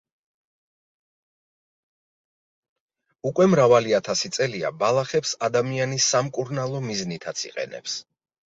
უკვე მრავალი ათასი წელია ბალახებს ადამიანი სამკურნალო მიზნითაც იყენებს.